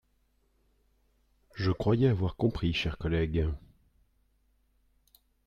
Je croyais avoir compris, chers collègues